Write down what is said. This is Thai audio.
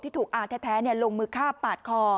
ที่ถูกอาจแท้ลงมือคาบปาดคอ